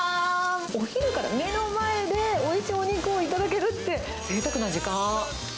お昼から目の前でおいしいお肉を頂けるって、ぜいたくな時間。